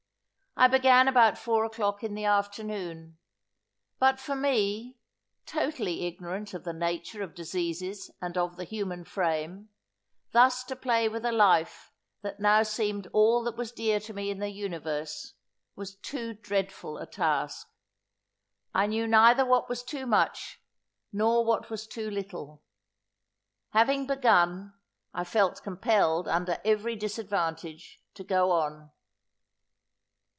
I began about four o'clock in the afternoon. But for me, totally ignorant of the nature of diseases and of the human frame, thus to play with a life that now seemed all that was dear to me in the universe, was too dreadful a task. I knew neither what was too much, nor what was too little. Having begun, I felt compelled, under every disadvantage, to go on.